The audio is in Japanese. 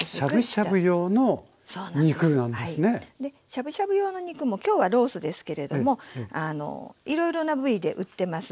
しゃぶしゃぶ用の肉も今日はロースですけれどもいろいろな部位で売ってます。